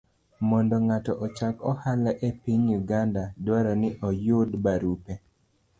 Mondo ng'ato ochak ohala e piny Uganda, dwarore ni oyud barupe